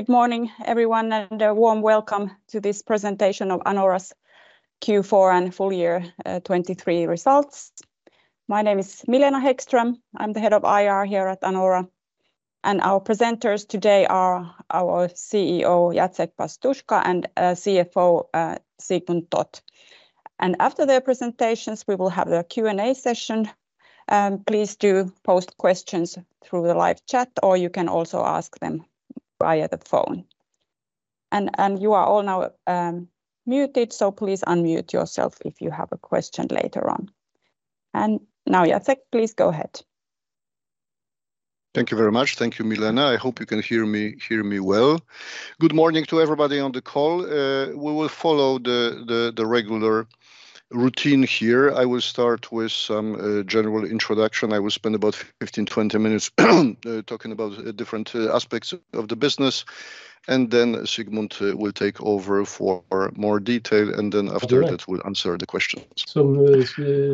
Good morning, everyone, and a warm welcome to this presentation of Anora's Q4 and full year 2023 results. My name is Milena Hæggström. I'm the head of IR here at Anora, and our presenters today are our CEO, Jacek Pastuszka, and CFO, Sigmund Toth. After their presentations, we will have a Q&A session. Please do post questions through the live chat, or you can also ask them via the phone. You are all now muted, so please unmute yourself if you have a question later on. Now, Jacek, please go ahead. Thank you very much. Thank you, Milena. I hope you can hear me, hear me well. Good morning to everybody on the call. We will follow the regular routine here. I will start with some general introduction. I will spend about 15-20 minutes talking about different aspects of the business, and then Sigmund will take over for more detail, and then after that, we'll answer the questions. We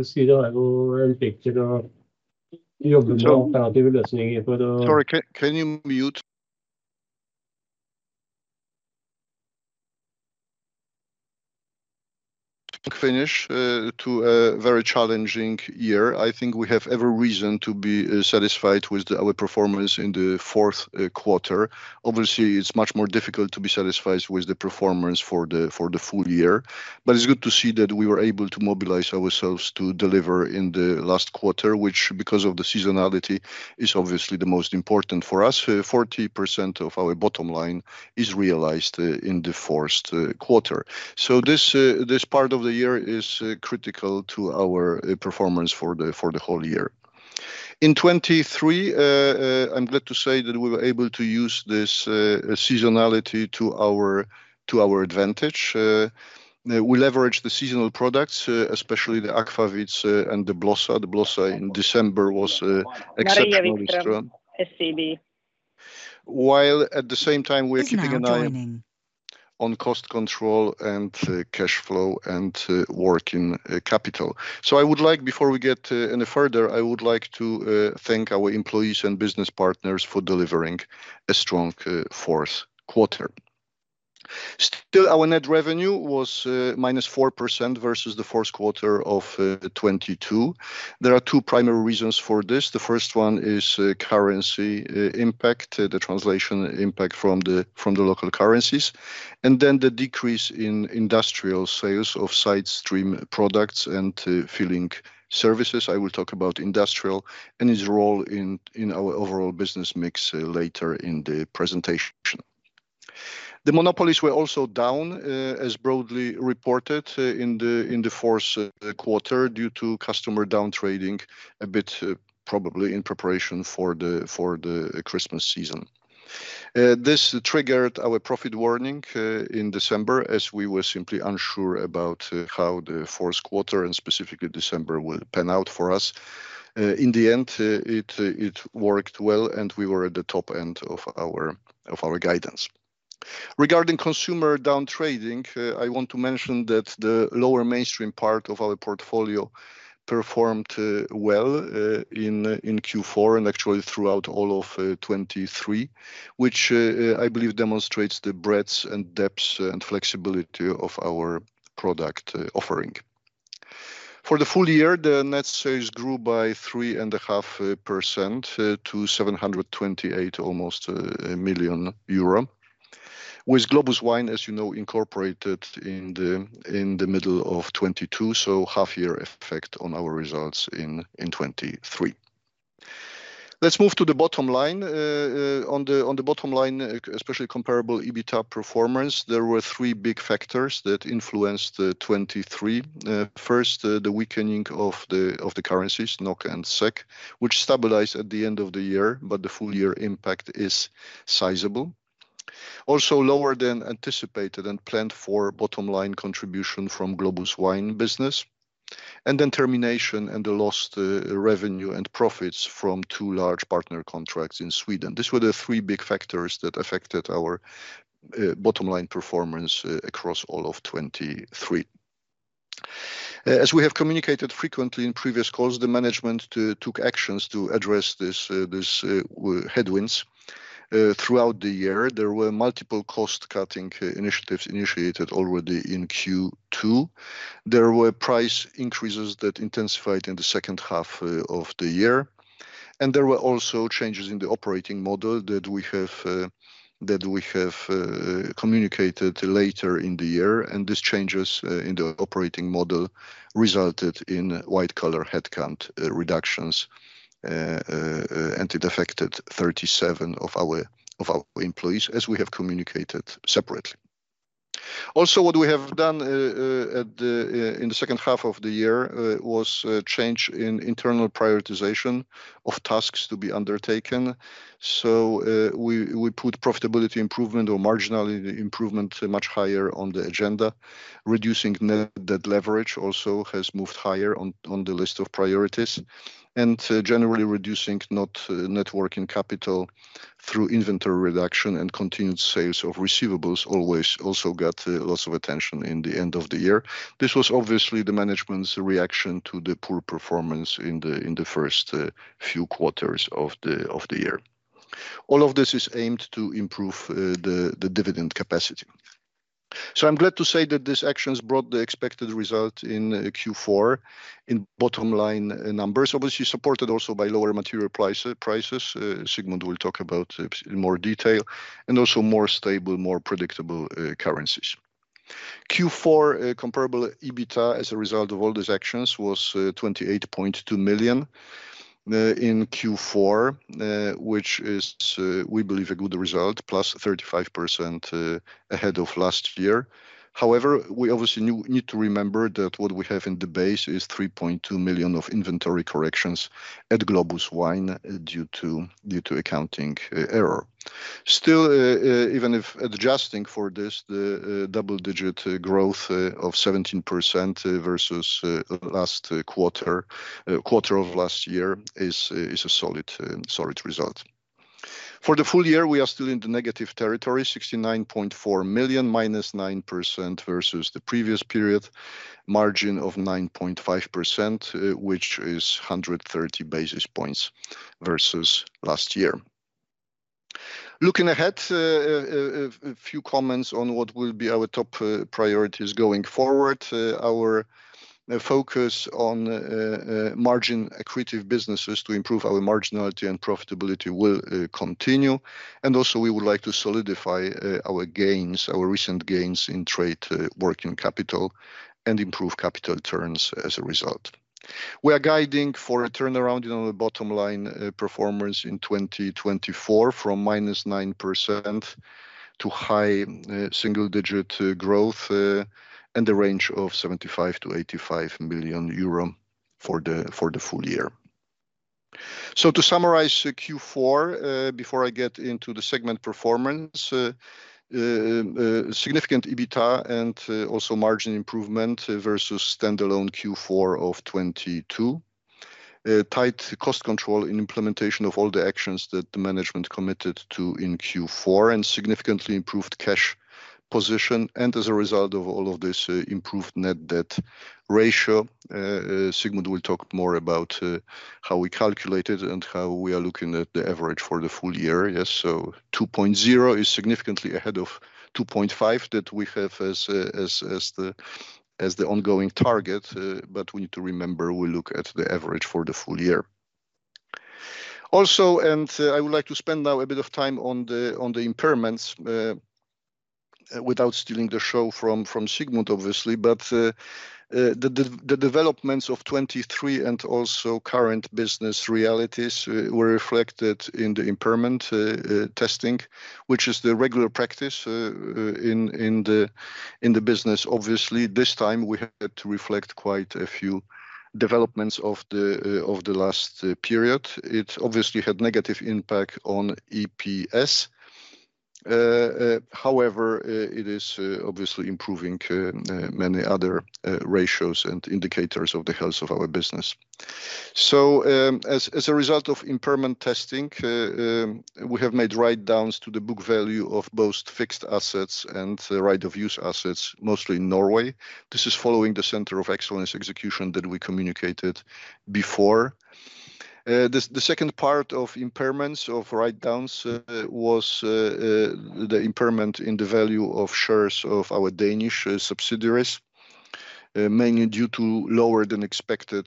see there were a picture to. Sorry, can you mute? Finish to a very challenging year. I think we have every reason to be satisfied with our performance in the fourth quarter. Obviously, it's much more difficult to be satisfied with the performance for the full year, but it's good to see that we were able to mobilize ourselves to deliver in the last quarter, which, because of the seasonality, is obviously the most important for us. 40% of our bottom line is realized in the fourth quarter. So this part of the year is critical to our performance for the whole year. In 2023, I'm glad to say that we were able to use this seasonality to our advantage. We leveraged the seasonal products, especially the aquavits and the Blossa. The Blossa in December was exceptionally strong. Maria Wikström, SEB. While at the same time, we're keeping an eye. Joining. On cost control and, cash flow and, working capital. So I would like, before we get, any further, I would like to, thank our employees and business partners for delivering a strong, fourth quarter. Still, our net revenue was, -4% versus the fourth quarter of 2022. There are two primary reasons for this. The first one is, currency, impact, the translation impact from the, from the local currencies, and then the decrease in Industrial sales of side stream products and toll filling services. I will talk about Industrial and its role in, in our overall business mix, later in the presentation. The monopolies were also down, as broadly reported, in the, in the fourth, quarter, due to customer down trading a bit, probably in preparation for the, for the, Christmas season. This triggered our profit warning in December, as we were simply unsure about how the fourth quarter and specifically December would pan out for us. In the end, it worked well, and we were at the top end of our guidance. Regarding consumer down trading, I want to mention that the lower mainstream part of our portfolio performed well in Q4, and actually throughout all of 2023. Which I believe demonstrates the breadth and depth and flexibility of our product offering. For the full year, the net sales grew by 3.5% to almost 728 million euro, with Globus Wine, as you know, incorporated in the middle of 2022, so half year effect on our results in 2023. Let's move to the bottom line. On the bottom line, especially comparable EBITDA performance, there were three big factors that influenced the 2023. First, the weakening of the currencies, NOK and SEK, which stabilized at the end of the year, but the full year impact is sizable. Also, lower than anticipated and planned for bottom line contribution from Globus Wine business, and then termination and the lost revenue and profits from two large partner contracts in Sweden. These were the three big factors that affected our bottom line performance across all of 2023. As we have communicated frequently in previous calls, the management took actions to address these headwinds. Throughout the year, there were multiple cost-cutting initiatives initiated already in Q2. There were price increases that intensified in the second half of the year, and there were also changes in the operating model that we have communicated later in the year, and these changes in the operating model resulted in white-collar headcount reductions, and it affected 37 of our employees, as we have communicated separately. Also, what we have done in the second half of the year was a change in internal prioritization of tasks to be undertaken. So, we put profitability improvement or marginal improvement much higher on the agenda. Reducing net leverage also has moved higher on the list of priorities, and generally reducing net working capital through inventory reduction and continued sales of receivables always also got lots of attention in the end of the year. This was obviously the management's reaction to the poor performance in the first few quarters of the year. All of this is aimed to improve the dividend capacity. So I'm glad to say that these actions brought the expected result in Q4, in bottom line numbers. Obviously, supported also by lower material prices, Sigmund will talk about it in more detail, and also more stable, more predictable currencies. Q4 comparable EBITDA, as a result of all these actions, was 28.2 million in Q4, which is, we believe, a good result, +35% ahead of last year. However, we obviously need to remember that what we have in the base is 3.2 million of inventory corrections at Globus Wine, due to accounting error. Still, even if adjusting for this, the double-digit growth of 17% versus last quarter of last year is a solid result. For the full year, we are still in the negative territory, 69.4 million, -9% versus the previous period. Margin of 9.5%, which is 130 basis points versus last year. Looking ahead, a few comments on what will be our top priorities going forward. Our focus on margin accretive businesses to improve our marginality and profitability will continue, and also we would like to solidify our gains, our recent gains in trade, working capital, and improve capital returns as a result. We are guiding for a turnaround in our bottom line performance in 2024, from -9% to high single-digit growth, and a range of 75 million-85 million euro for the full year. To summarize the Q4, before I get into the segment performance, significant EBITDA and also margin improvement versus standalone Q4 of 2022. Tight cost control and implementation of all the actions that the management committed to in Q4, and significantly improved cash position, and as a result of all of this, improved net debt ratio. Sigmund will talk more about how we calculate it and how we are looking at the average for the full year. Yes, so 2.0 is significantly ahead of 2.5, that we have as the ongoing target, but we need to remember, we look at the average for the full year. Also, I would like to spend now a bit of time on the impairments, without stealing the show from Sigmund, obviously. But, the developments of 2023 and also current business realities were reflected in the impairment testing, which is the regular practice in the business. Obviously, this time we had to reflect quite a few developments of the last period. It obviously had negative impact on EPS. However, it is obviously improving many other ratios and indicators of the health of our business. So, as a result of impairment testing, we have made write-downs to the book value of both fixed assets and right of use assets, mostly in Norway. This is following the Centre of Excellence execution that we communicated before. The second part of impairments, of write-downs, was the impairment in the value of shares of our Danish subsidiaries. Mainly due to lower than expected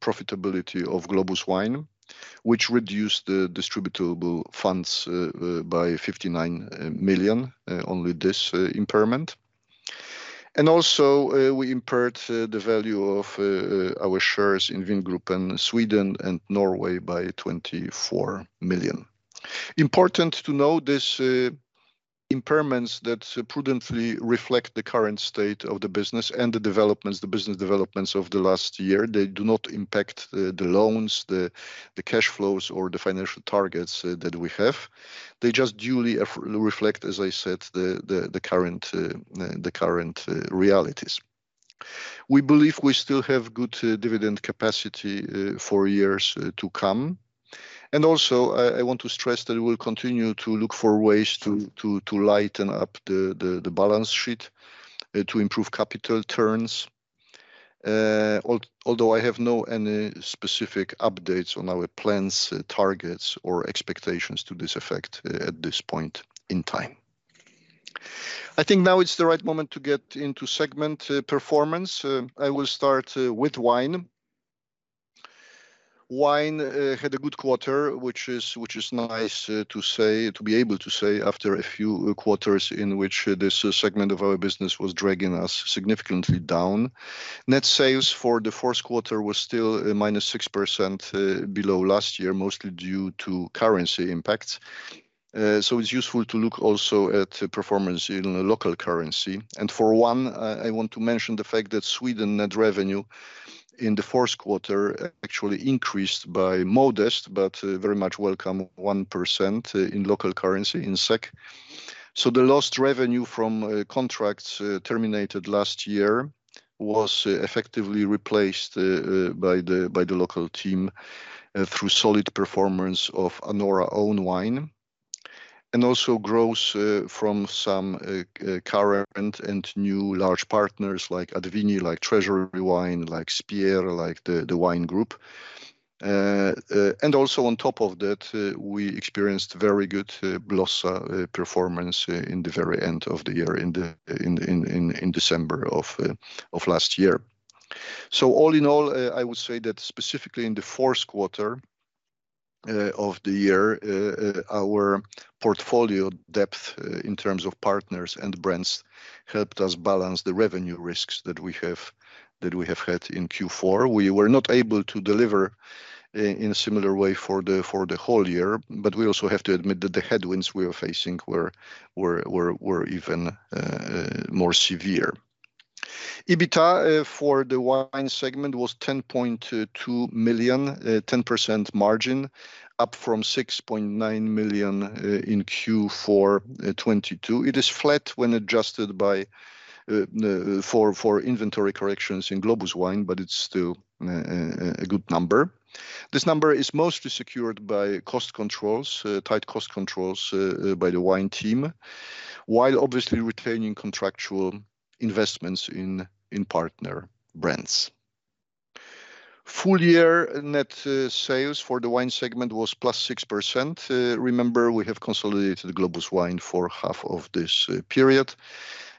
profitability of Globus Wine, which reduced the distributable funds by 59 million only this impairment. And also, we impaired the value of our shares in Vingruppen, Sweden and Norway by 24 million. Important to note, these impairments that prudently reflect the current state of the business and the developments, the business developments of the last year, they do not impact the loans, the cash flows, or the financial targets that we have. They just duly reflect, as I said, the current realities. We believe we still have good dividend capacity for years to come. Also, I want to stress that we will continue to look for ways to lighten up the balance sheet to improve capital returns. Although I have no any specific updates on our plans, targets, or expectations to this effect at this point in time. I think now is the right moment to get into segment performance. I will start with Wine. Wine had a good quarter, which is nice to say, to be able to say after a few quarters in which this segment of our business was dragging us significantly down. Net sales for the fourth quarter was still -6% below last year, mostly due to currency impacts. So it's useful to look also at the performance in the local currency. And for one, I want to mention the fact that Sweden net revenue in the fourth quarter actually increased by modest, but, very much welcome, 1%, in local currency, in SEK. So the lost revenue from contracts terminated last year was effectively replaced by the local team through solid performance of Anora own wine and also growth from some current and new large partners like AdVini, like Treasury Wine, like Spier, like The Wine Group. And also on top of that, we experienced very good Blossa performance in the very end of the year, in December of last year. So all in all, I would say that specifically in the fourth quarter of the year, our portfolio depth in terms of partners and brands helped us balance the revenue risks that we have, that we have had in Q4. We were not able to deliver in a similar way for the whole year, but we also have to admit that the headwinds we were facing were even more severe. EBITDA for the Wine segment was 10.22 million, 10% margin, up from 6.9 million in Q4 2022. It is flat when adjusted for inventory corrections in Globus Wine, but it's still a good number. This number is mostly secured by cost controls, tight cost controls, by the Wine team, while obviously retaining contractual investments in, in partner brands. Full year net sales for the Wine segment was +6%. Remember, we have consolidated the Globus Wine for half of this period.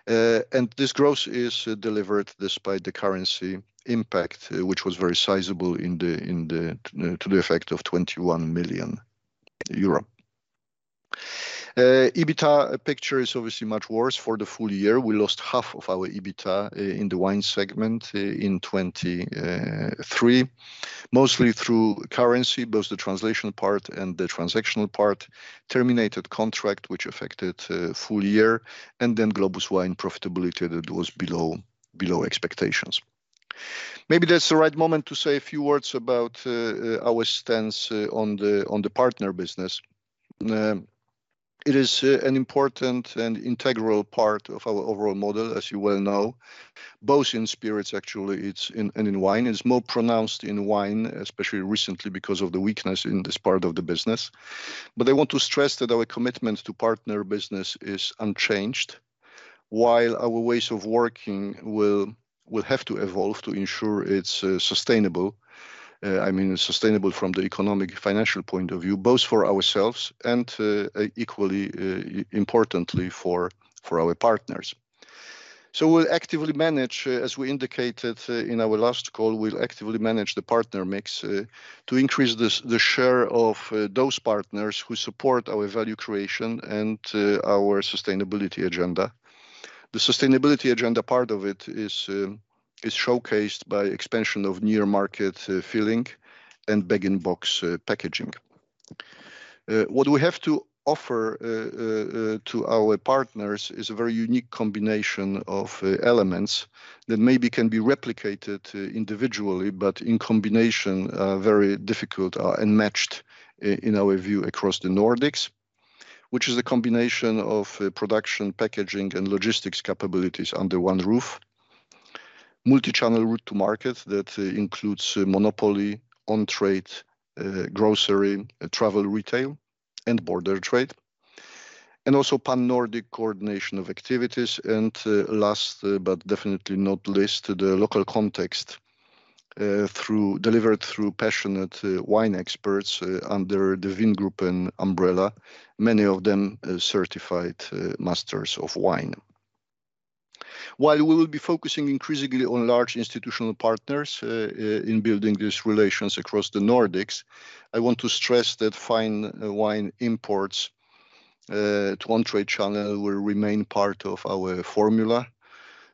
And this growth is delivered despite the currency impact, which was very sizable to the effect of 21 million euro. EBITDA picture is obviously much worse for the full year. We lost half of our EBITDA in the Wine segment in 2023. Mostly through currency, both the translation part and the transactional part, terminated contract, which affected full year, and then Globus Wine profitability that was below expectations. Maybe that's the right moment to say a few words about our stance on the partner business. It is an important and integral part of our overall model, as you well know, both in Spirits, actually, and in Wine. It's more pronounced in Wine, especially recently, because of the weakness in this part of the business. But I want to stress that our commitment to partner business is unchanged, while our ways of working will have to evolve to ensure it's sustainable. I mean, sustainable from the economic financial point of view, both for ourselves and, equally, importantly for our partners. So we'll actively manage, as we indicated, in our last call, we'll actively manage the partner mix, to increase the share of, those partners who support our value creation and, our sustainability agenda. The sustainability agenda, part of it is, is showcased by expansion of near-market filling and bag-in-box packaging. What we have to offer, to our partners is a very unique combination of, elements that maybe can be replicated, individually, but in combination, very difficult, and matched in our view across the Nordics, which is a combination of, production, packaging, and logistics capabilities under one roof. Multi-channel route to market that includes monopoly, on-trade, grocery, travel retail, and border trade, and also Pan-Nordic coordination of activities. And, last, but definitely not least, the local context, delivered through passionate wine experts under the Vingruppen umbrella, many of them certified masters of wine. While we will be focusing increasingly on large institutional partners in building these relations across the Nordics, I want to stress that fine wine imports to one trade channel will remain part of our formula.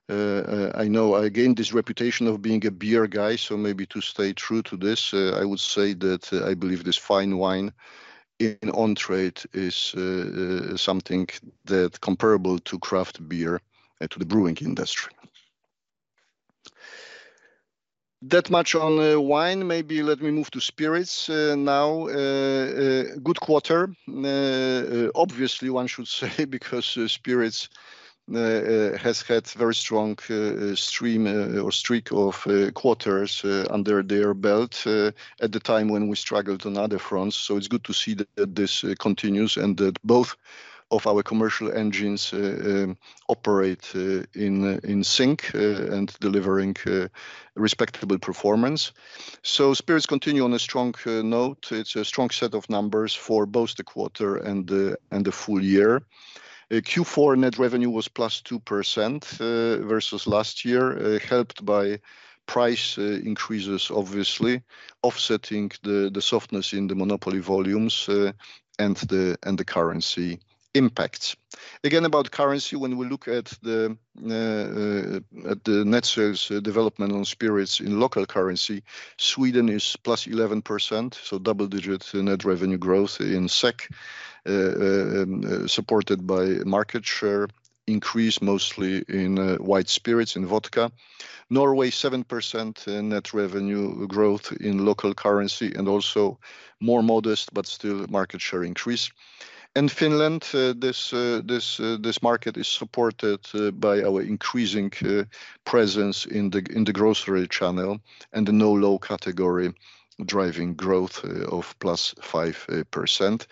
I know I gained this reputation of being a beer guy, so maybe to stay true to this, I would say that I believe this fine wine in on-trade is something that comparable to craft beer to the brewing industry. That much on Wine, maybe let me move to Spirits now. Good quarter. Obviously, one should say because Spirits has had very strong streak of quarters under their belt at the time when we struggled on other fronts. So it's good to see that this continues, and that both of our commercial engines operate in sync and delivering respectable performance. So Spirits continue on a strong note. It's a strong set of numbers for both the quarter and the full year. Q4 net revenue was +2% versus last year, helped by price increases, obviously, offsetting the softness in the monopoly volumes and the currency impact. Again, about currency, when we look at the net sales development on Spirits in local currency, Sweden is +11%, so double-digit net revenue growth in SEK, supported by market share increase, mostly in white spirits and vodka. Norway, 7% in net revenue growth in local currency, and also more modest, but still market share increase. In Finland, this market is supported by our increasing presence in the grocery channel and the NoLo category, driving growth of +5%,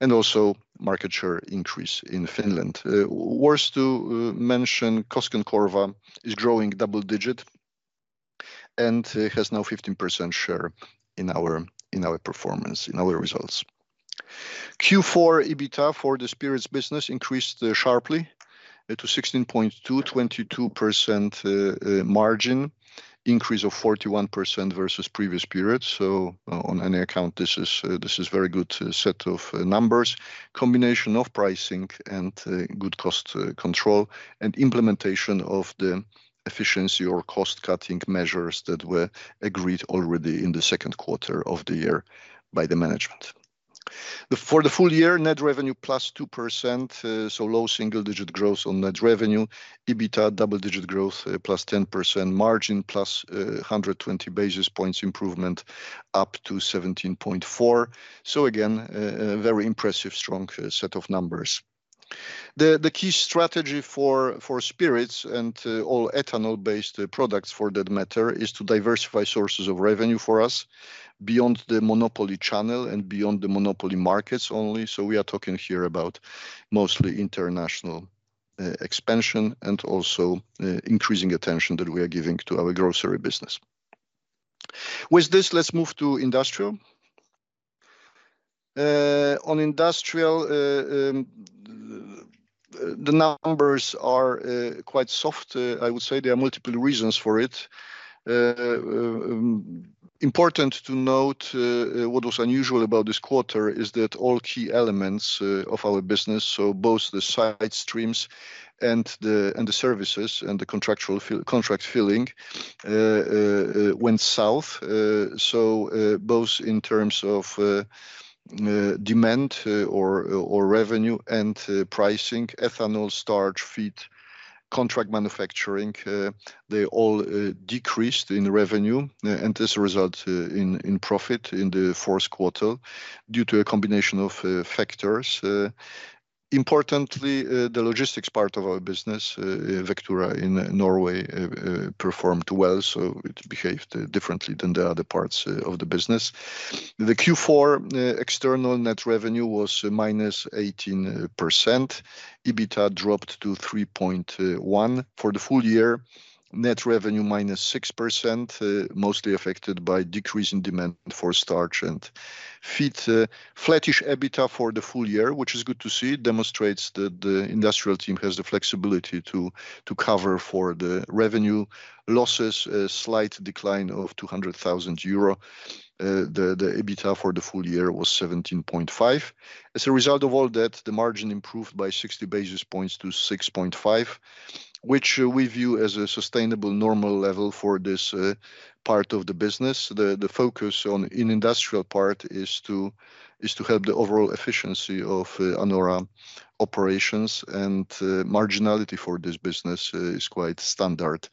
and also market share increase in Finland. Worth to mention, Koskenkorva is growing double-digit and has now 15% share in our performance, in our results. Q4 EBIDTA for the Spirits business increased sharply to 16.2 million, 22% margin, increase of 41% versus previous periods. So on any account, this is very good set of numbers. Combination of pricing and good cost control, and implementation of the efficiency or cost-cutting measures that were agreed already in the second quarter of the year by the management. For the full year, net revenue +2%, so low single-digit growth on net revenue. EBITDA, double-digit growth, +10% margin, +120 basis points improvement up to 17.4%. So again, a very impressive, strong set of numbers. The key strategy for Spirits and all ethanol-based products for that matter is to diversify sources of revenue for us beyond the monopoly channel and beyond the monopoly markets only. So we are talking here about mostly international expansion and also increasing attention that we are giving to our grocery business. With this, let's move to Industrial. On Industrial, the numbers are quite soft. I would say there are multiple reasons for it. Important to note what was unusual about this quarter is that all key elements of our business, so both the side streams and the services and the contract filling, went south. So, both in terms of demand, or revenue and pricing, ethanol, starch, feed, contract manufacturing, they all decreased in revenue, and as a result, in profit in the fourth quarter due to a combination of factors. Importantly, the logistics part of our business, Vectura in Norway, performed well, so it behaved differently than the other parts of the business. The Q4 external net revenue was -18%. EBITDA dropped to 3.1%. For the full year, net revenue -6%, mostly affected by decrease in demand for starch and feed. Flattish EBITDA for the full year, which is good to see, demonstrates that the Industrial team has the flexibility to cover for the revenue losses, a slight decline of 200,000 euro. The EBITDA for the full year was 17.5%. As a result of all that, the margin improved by 60 basis points to 6.5 million, which we view as a sustainable normal level for this part of the business. The focus on the Industrial part is to help the overall efficiency of Anora operations, and marginality for this business is quite standard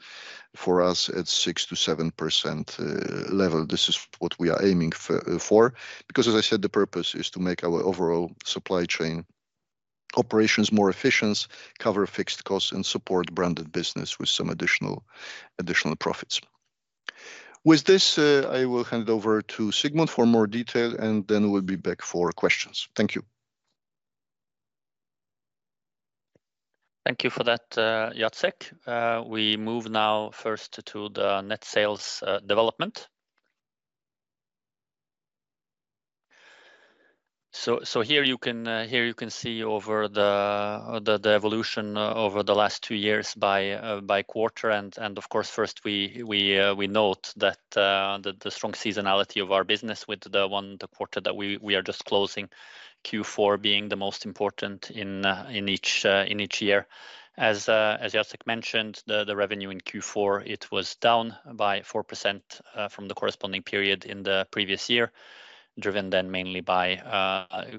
for us at 6%-7% level. This is what we are aiming for, because as I said, the purpose is to make our overall supply chain operations more efficient, cover fixed costs, and support branded business with some additional profits. With this, I will hand over to Sigmund for more detail, and then we'll be back for questions. Thank you. Thank you for that, Jacek. We move now first to the net sales development. So here you can see over the evolution over the last two years by quarter. And of course, first, we note that the strong seasonality of our business with the quarter that we are just closing, Q4 being the most important in each year. As Jacek mentioned, the revenue in Q4 it was down by 4% from the corresponding period in the previous year, driven then mainly by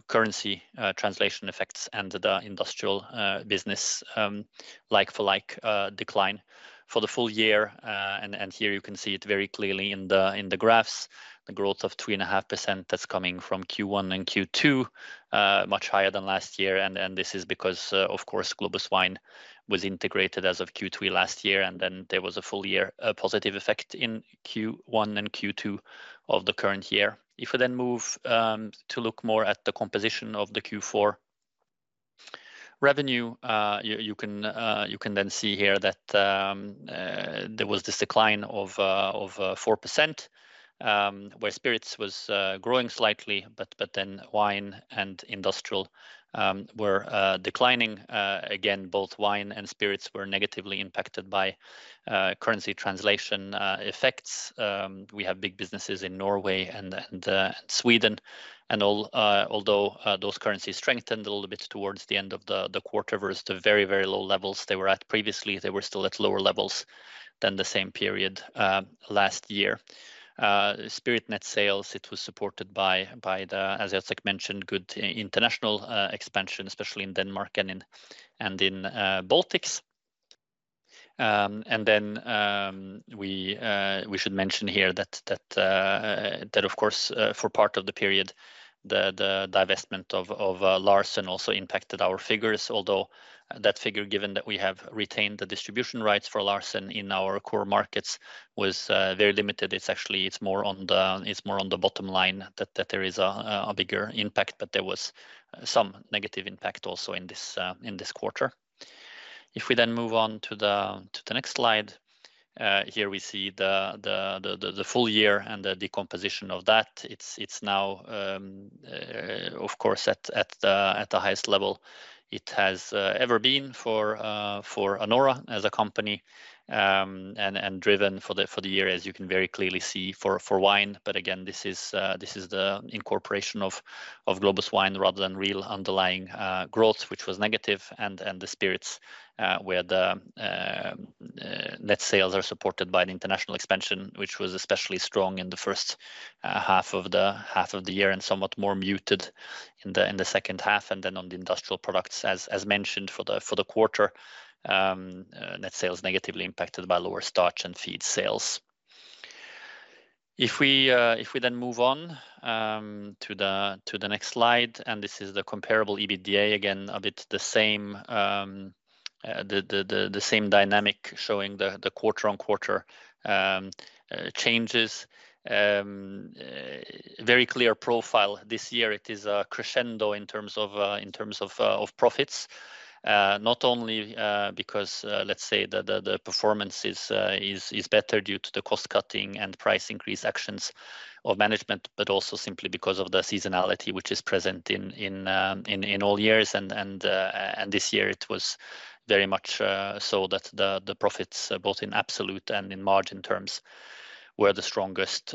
currency translation effects and the Industrial business like for like decline. For the full year, and here you can see it very clearly in the graphs, the growth of 3.5% that's coming from Q1 and Q2, much higher than last year. And this is because, of course, Globus Wine was integrated as of Q3 last year, and then there was a full year positive effect in Q1 and Q2 of the current year. If we then move to look more at the composition of the Q4 revenue, you can then see here that there was this decline of 4%, where Spirits was growing slightly, but then Wine and Industrial were declining. Again, both Wine and Spirits were negatively impacted by currency translation effects. We have big businesses in Norway and Sweden, although those currencies strengthened a little bit towards the end of the quarter versus the very low levels they were at previously, they were still at lower levels than the same period last year. Spirits net sales, it was supported by, as Jacek mentioned, good international expansion, especially in Denmark and in Baltics. And then, we should mention here that, of course, for part of the period, the divestment of Larsen also impacted our figures. Although that figure, given that we have retained the distribution rights for Larsen in our core markets, was very limited. It's actually, it's more on the bottom line that there is a bigger impact, but there was some negative impact also in this quarter. If we then move on to the next slide, here we see the full year and the decomposition of that. It's now, of course, at the highest level it has ever been for Anora as a company, and driven for the year, as you can very clearly see for Wine. But again, this is the incorporation of Globus Wine rather than real underlying growth, which was negative. And the Spirits, where the net sales are supported by an international expansion, which was especially strong in the first half of the year, and somewhat more muted in the second half. And then on the Industrial products, as mentioned for the quarter, net sales negatively impacted by lower starch and feed sales. If we then move on to the next slide, and this is the comparable EBITDA. Again, a bit the same, the same dynamic showing the quarter-on-quarter changes. Very clear profile. This year, it is a crescendo in terms of profits. Not only because, let's say, the performance is better due to the cost-cutting and price increase actions of management, but also simply because of the seasonality, which is present in all years. And this year it was very much so that the profits, both in absolute and in margin terms, were the strongest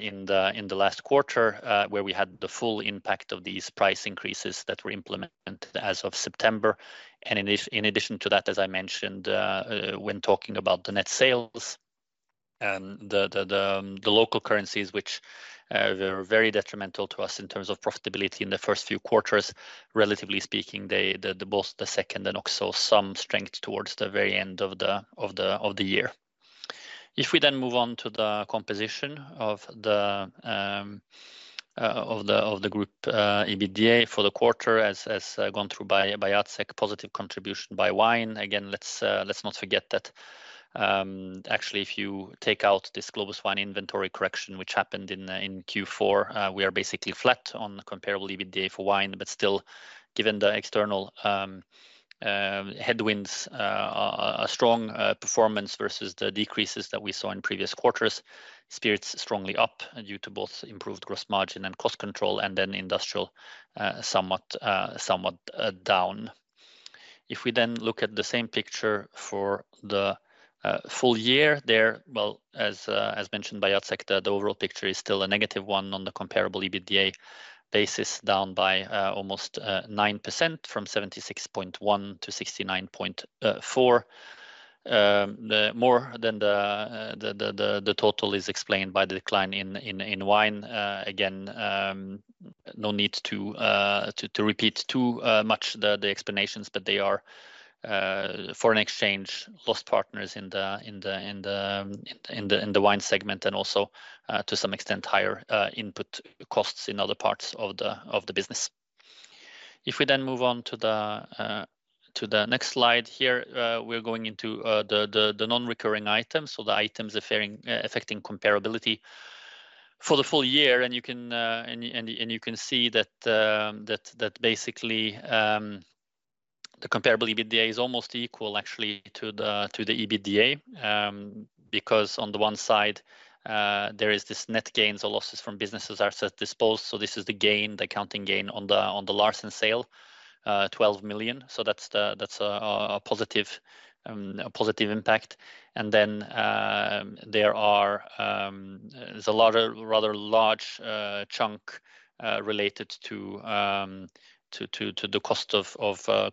in the last quarter. Where we had the full impact of these price increases that were implemented as of September. And in addi, in addition to that, as I mentioned, when talking about the net sales, the local currencies, which were very detrimental to us in terms of profitability in the first few quarters, relatively speaking, they, both the second and also some strength towards the very end of the year. If we then move on to the composition of the group EBITDA for the quarter, as gone through by Jacek, positive contribution by Wine. Again, let's not forget that, actually, if you take out this Globus Wine inventory correction, which happened in Q4, we are basically flat on the comparable EBITDA for Wine. But still, given the external headwinds, a strong performance versus the decreases that we saw in previous quarters. Spirits strongly up due to both improved gross margin and cost control, and then Industrial, somewhat down. If we then look at the same picture for the full year, there. Well, as mentioned by Jacek, the overall picture is still a negative one on the comparable EBITDA basis, down by almost 9%, from 76.1 million to 69.4 million. The more than the total is explained by the decline in Wine. Again, no need to repeat too much the explanations, but they are foreign exchange losses in the Wine segment, and also, to some extent, higher input costs in other parts of the business. If we then move on to the next slide here, we're going into the non-recurring items, so the items affecting comparability for the full year. And you can see that basically the comparable EBITDA is almost equal actually to the EBITDA. Because on the one side, there is this net gains or losses from businesses disposed. This is the gain, the accounting gain on the Larsen sale, 12 million. That's a positive impact. Then, there is a lot of rather large chunk related to the cost of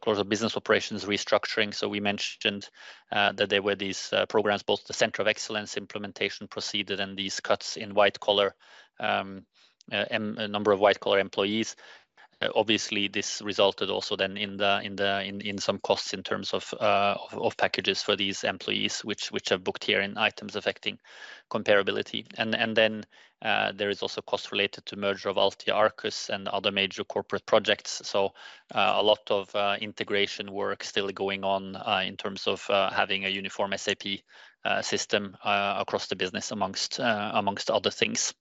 close of business operations restructuring. We mentioned that there were these programs, both the Centre of Excellence implementation program and these cuts in white-collar, a number of white-collar employees. Obviously, this resulted also then in the, in the, in, in some costs in terms of, of, of packages for these employees, which, which are booked here in items affecting comparability. And, and then, there is also costs related to merger of Altia-Arcus and other major corporate projects. So, a lot of integration work still going on in terms of having a uniform SAP system across the business, among other things.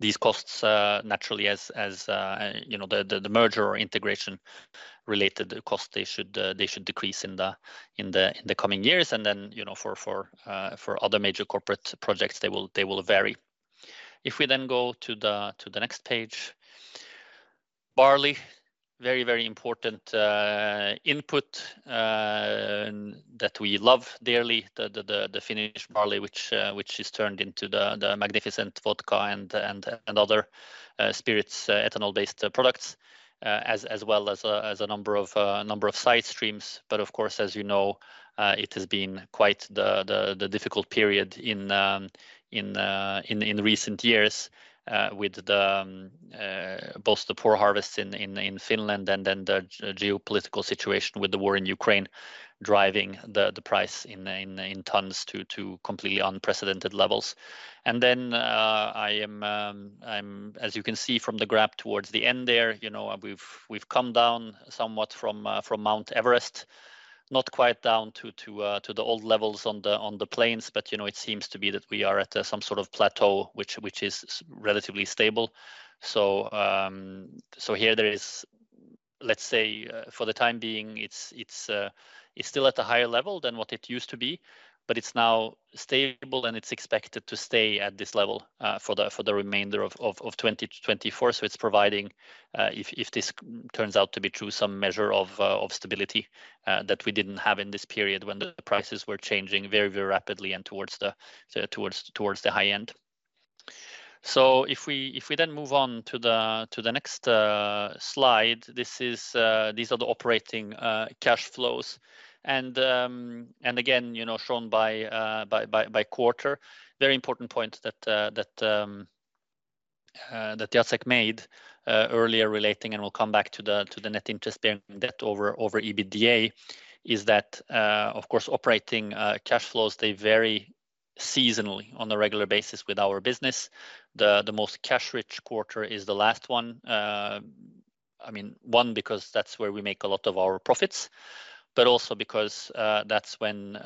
These costs naturally, as you know, the merger or integration related cost, they should decrease in the coming years. And then, you know, for other major corporate projects, they will vary. If we then go to the next page. Barley, very important input that we love dearly, the Finnish barley, which is turned into the magnificent vodka and other spirits, ethanol-based products, as well as a number of side streams. But of course, as you can see, it has been quite the difficult period in recent years, with both the poor harvests in Finland and then the geopolitical situation with the war in Ukraine, driving the price in tons to completely unprecedented levels. As you can see from the graph towards the end there, you know, we've come down somewhat from Mount Everest, not quite down to the old levels on the plains. But you know, it seems to be that we are at some sort of plateau, which is relatively stable. So here there is. Let's say, for the time being, it's still at a higher level than what it used to be, but it's now stable, and it's expected to stay at this level, for the remainder of 2024. So it's providing, if this turns out to be true, some measure of stability, that we didn't have in this period when the prices were changing very, very rapidly and towards the high end. So if we then move on to the next slide, this is, these are the operating cash flows. And again, you know, shown by quarter. Very important point that Jacek made earlier relating, and we'll come back to the net interest-bearing debt over EBITDA, is that, of course, operating cash flows, they vary seasonally on a regular basis with our business. The most cash-rich quarter is the last one. I mean, one, because that's where we make a lot of our profits, but also because, that's when,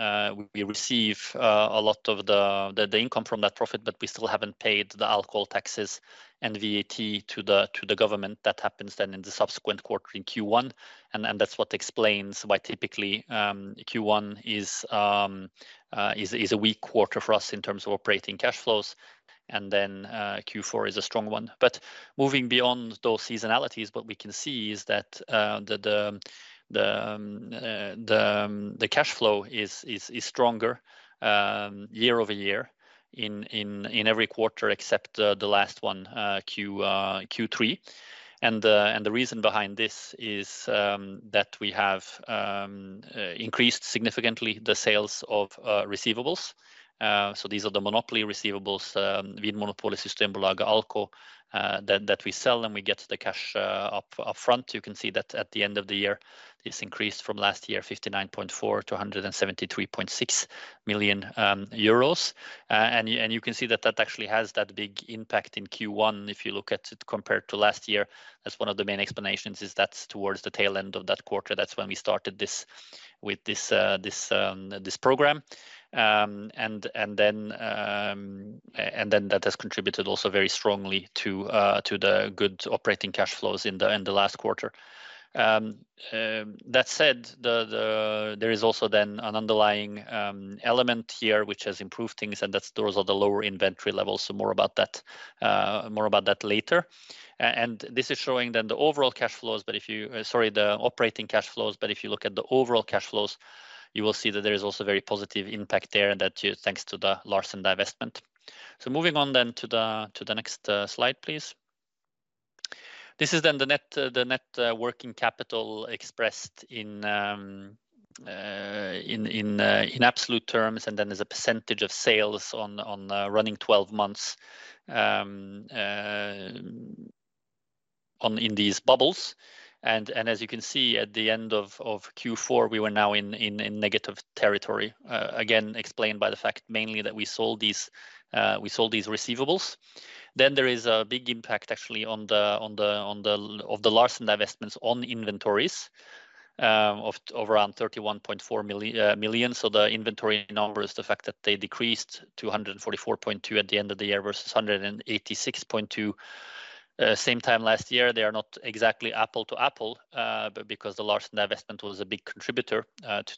we receive a lot of the income from that profit, but we still haven't paid the alcohol taxes and VAT to the government. That happens then in the subsequent quarter in Q1, and that's what explains why typically, Q1 is a weak quarter for us in terms of operating cash flows, and then, Q4 is a strong one. But moving beyond those seasonalities, what we can see is that the cash flow is stronger year-over-year in every quarter except the last one, Q3. And the reason behind this is that we have increased significantly the sales of receivables. So these are the monopoly receivables Vinmonopolet, Systembolaget, Alko, that we sell, and we get the cash up upfront. You can see that at the end of the year, it's increased from last year, 59.4 million to 173.6 million euros. And you can see that that actually has that big impact in Q1. If you look at it compared to last year, that's one of the main explanations is that's towards the tail end of that quarter. That's when we started this program. And then that has contributed also very strongly to the good operating cash flows in the last quarter. That said, there is also then an underlying element here, which has improved things, and that's those are the lower inventory levels. So more about that, more about that later. And this is showing then the overall cash flows, but if you. Sorry, the operating cash flows, but if you look at the overall cash flows, you will see that there is also a very positive impact there, and that's thanks to the Larsen divestment. So moving on then to the next slide, please. This is then the net working capital expressed in absolute terms, and then as a percentage of sales on running twelve months in these bubbles. And as you can see, at the end of Q4, we were now in negative territory. Again, explained by the fact mainly that we sold these receivables. Then there is a big impact actually of the Larsen divestments on inventories of around 31.4 million. So the inventory numbers, the fact that they decreased to 144.2 million at the end of the year versus 186.2 million same time last year. They are not exactly apple to apple, but because the Larsen divestment was a big contributor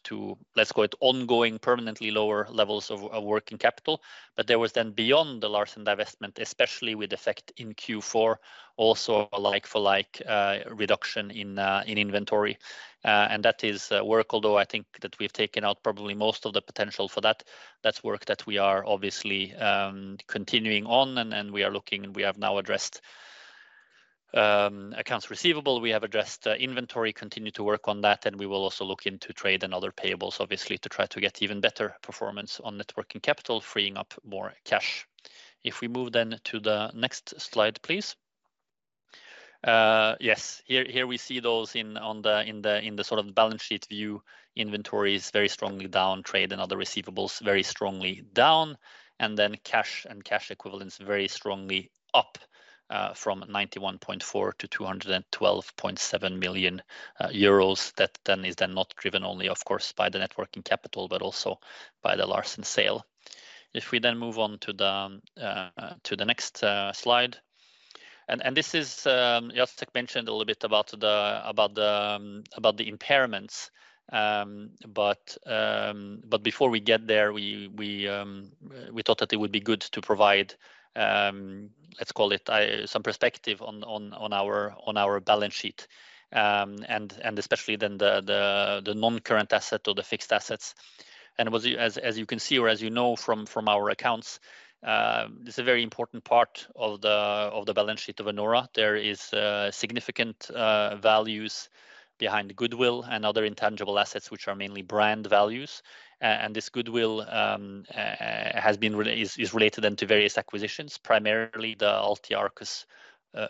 to, let's call it, ongoing, permanently lower levels of working capital. But there was then beyond the Larsen divestment, especially with effect in Q4, also a like-for-like reduction in inventory. And that is work, although I think that we've taken out probably most of the potential for that. That's work that we are obviously continuing on, and we are looking. We have now addressed accounts receivable, we have addressed inventory, continue to work on that, and we will also look into trade and other payables, obviously, to try to get even better performance on net working capital, freeing up more cash. If we move then to the next slide, please. Yes. Here, we see those in, on the in the sort of balance sheet view, inventory is very strongly down, trade and other receivables very strongly down, and then cash and cash equivalents very strongly up, from 91.4 million to 212.7 million euros. That is not driven only, of course, by the net working capital, but also by the Larsen sale. If we then move on to the next slide. This is, Jacek mentioned a little bit about the impairments, but before we get there, we thought that it would be good to provide, let's call it, some perspective on our balance sheet, and especially then the non-current asset or the fixed assets. And as you can see or as you know from our accounts, this is a very important part of the balance sheet of Anora. There is significant values behind goodwill and other intangible assets, which are mainly brand values. And this goodwill is related then to various acquisitions, primarily the Altia-Arcus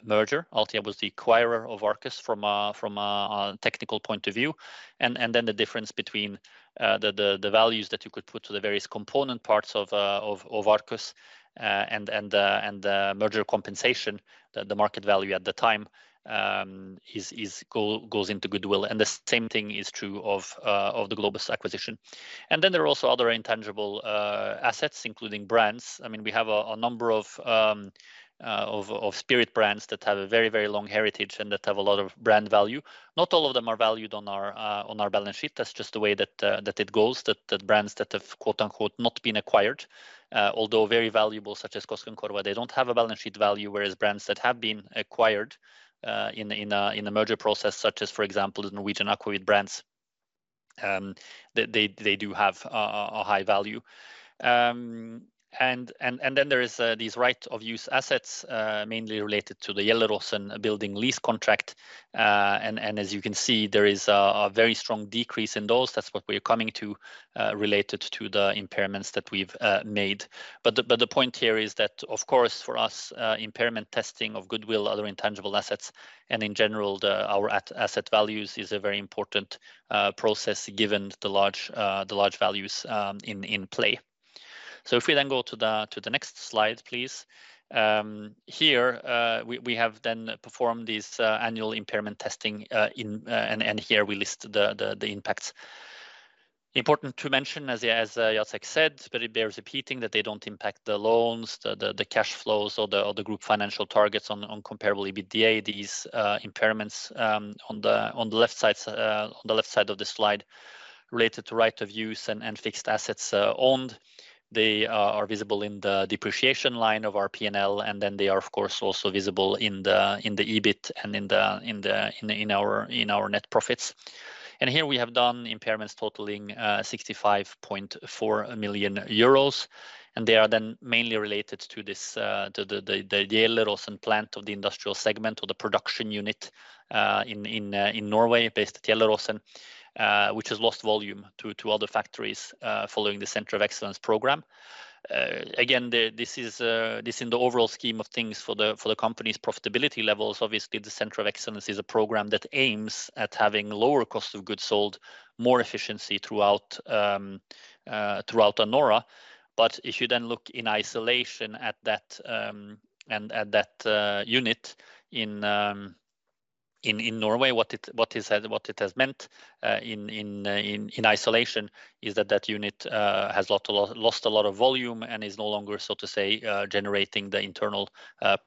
merger. Altia was the acquirer of Arcus from a technical point of view. And then the difference between the values that you could put to the various component parts of Arcus and merger compensation, the market value at the time, goes into goodwill. And the same thing is true of the Globus acquisition. And then there are also other intangible assets, including brands. I mean, we have a number of spirit brands that have a very, very long heritage and that have a lot of brand value. Not all of them are valued on our balance sheet. That's just the way that it goes, that brands that have quote-unquote "not been acquired" although very valuable, such as Koskenkorva, they don't have a balance sheet value, whereas brands that have been acquired in the merger process, such as, for example, the Norwegian Aquavit brands, they do have a high value. And then there is these right-of-use assets, mainly related to the Gjelleråsen building lease contract. And as you can see, there is a very strong decrease in those. That's what we're coming to, related to the impairments that we've made. But the point here is that, of course, for us, impairment testing of goodwill, other intangible assets, and in general, our asset values is a very important process, given the large values in play. So if we then go to the next slide, please. Here, we have then performed this annual impairment testing in... And here we list the impacts. Important to mention, as Jacek said, but it bears repeating, that they don't impact the loans, the cash flows or the group financial targets on comparable EBITDA, these impairments on the left side of the slide, related to right-of-use and fixed assets owned. They are visible in the depreciation line of our P&L, and then they are, of course, also visible in our net profits. And here we have done impairments totaling 65.4 million euros, and they are then mainly related to this, to the Gjelleråsen plant of the Industrial segment or the production unit, in Norway, based at Gjelleråsen, which has lost volume to other factories, following the Centre of Excellence program. Again, this is in the overall scheme of things for the company's profitability levels. Obviously, the Centre of Excellence is a program that aims at having lower cost of goods sold, more efficiency throughout Anora. But if you then look in isolation at that unit in Norway, what it has meant in isolation is that that unit has lost a lot of volume and is no longer, so to say, generating the internal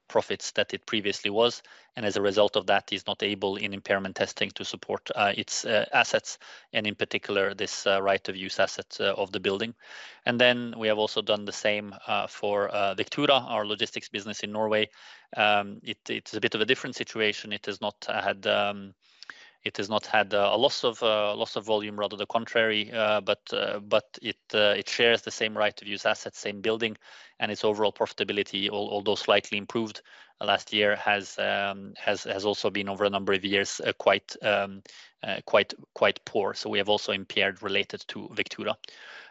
profits that it previously was, and as a result of that, is not able, in impairment testing, to support its assets, and in particular, this right-of-use asset of the building. And then we have also done the same for Vectura, our logistics business in Norway. It's a bit of a different situation. It has not had a loss of volume, rather the contrary, but it shares the same right-of-use assets, same building, and its overall profitability, although slightly improved last year, has also been over a number of years quite poor. So we have also impaired related to Vectura.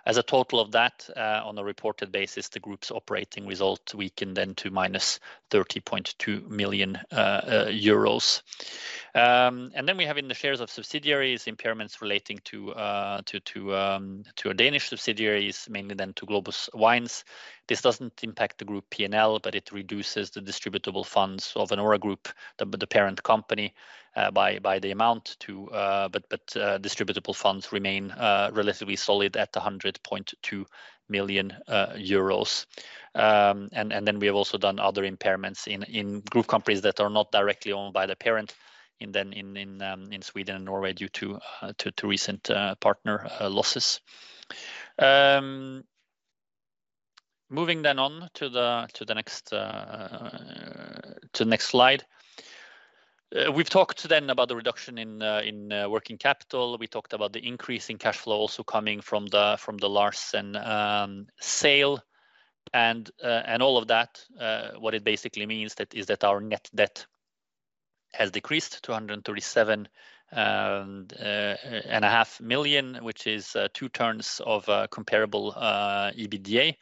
As a total of that, on a reported basis, the group's operating result weakened then to -30.2 million euros. And then we have in the shares of subsidiaries, impairments relating to our Danish subsidiaries, mainly then to Globus Wine. This doesn't impact the group P&L, but it reduces the distributable funds of Anora Group, the parent company, by the amount to. But distributable funds remain relatively solid at 100.2 million euros. And then we have also done other impairments in group companies that are not directly owned by the parent, in Sweden and Norway, due to recent partner losses. Moving then on to the next slide. We've talked then about the reduction in working capital. We talked about the increase in cash flow also coming from the Larsen sale and all of that, what it basically means that is that our net debt has decreased to 237.5 million, which is two turns of comparable EBITDA,